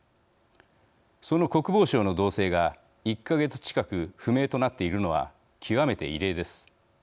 その国防相の動静が１か月近く不明となっているのは極めて異例です。